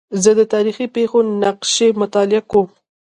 زه د تاریخي پېښو نقشې مطالعه کوم.